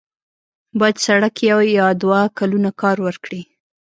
باید سړک یو یا دوه کلونه کار ورکړي.